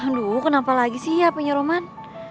aduh kenapa lagi sih ya penyeroman